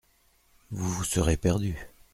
Vous vous serez perdue !